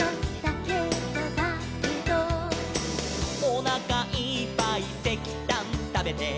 「」「おなかいっぱいせきたんたべて」